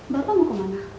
bapak mau kemana